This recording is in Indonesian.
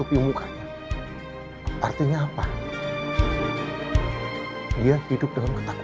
gimana dia sekolah